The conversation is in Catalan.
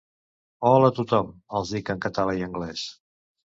Hola a tothom —els dic en català i anglès.